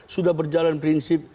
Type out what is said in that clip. sudah berjalan prinsip